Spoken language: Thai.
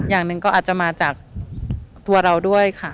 อย่างหนึ่งก็อาจจะมาจากตัวเราด้วยค่ะ